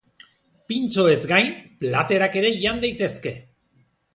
Pintxoez gain, platerak ere jan daitezke.